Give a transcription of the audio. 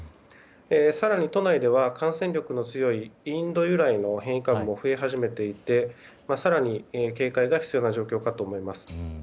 更に都内では感染力の強いインド由来の変異株も増え始めていて更に警戒が必要な状況だと思います。